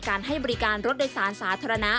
ให้บริการรถโดยสารสาธารณะ